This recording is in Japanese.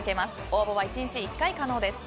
応募は１日１回可能です。